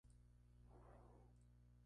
No había siquiera un San Telmo.